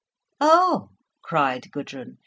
"Oh!" cried Gudrun.